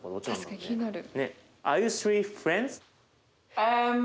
確かに気になる。